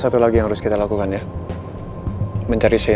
mereka akan memberikan berita update nya itu paling cepat besok pak